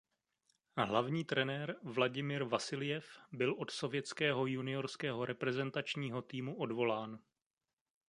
Hlavní trenér Vladimir Vasiljev byl od sovětského juniorského reprezentačního týmu odvolán.